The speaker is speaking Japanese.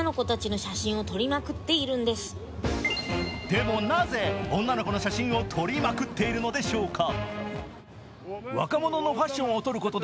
でもなぜ、女の子の写真を撮りまくっているのでしょうか。